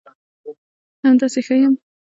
همداسې ښه یم ښه سم غرق خانه خراب لاندې